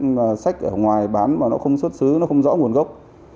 và sách ở ngoài bán mà nó không xuất xứ nó không rõ nguồn gốc